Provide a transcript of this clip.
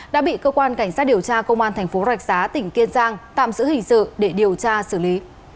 đã bị cơ quan cảnh sát điều tra công an tp rạch giá tp kiên giang tạm giữ hình sự để điều tra xử lý